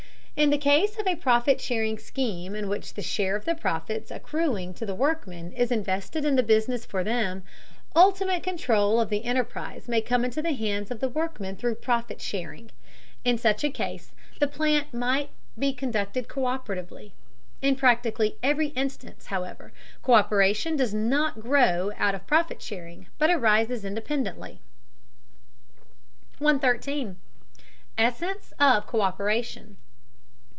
In the case of a profit sharing scheme in which the share of the profits accruing to the workmen is invested in the business for them, ultimate control of the enterprise may come into the hands of the workmen through profit sharing. In such a case the plant might be conducted co÷peratively. In practically every instance, however, co÷peration does not grow out of profit sharing, but arises independently. 113. ESSENCE OF COÍPERATION.